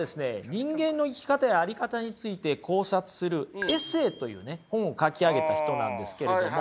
人間の生き方や在り方について考察する「エセー」というね本を書き上げた人なんですけれども。